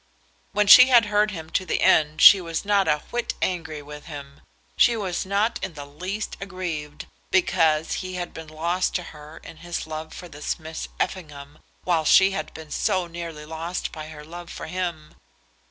When she had heard him to the end she was not a whit angry with him, she was not in the least aggrieved, because he had been lost to her in his love for this Miss Effingham, while she had been so nearly lost by her love for him.